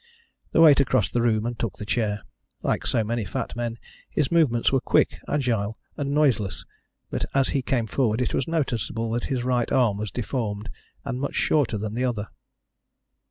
The waiter crossed the room and took the chair. Like so many fat men, his movements were quick, agile, and noiseless, but as he came forward it was noticeable that his right arm was deformed, and much shorter than the other.